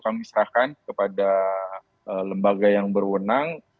kami serahkan kepada lembaga yang berwenang